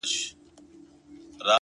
• موږ ته ورکي لاري را آسانه کړي ,